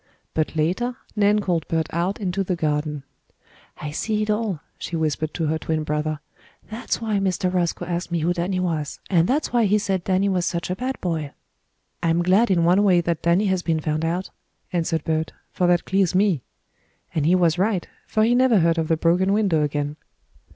But later Nan called Bert out into the garden. "I see it all," she whispered to her twin brother. "That's why Mr. Roscoe asked me who Danny was, and that's why he said Danny was such a bad boy." "I'm glad in one way that Danny has been found out," answered Bert, "for that clears me." And he was right, for he never heard of the broken window again.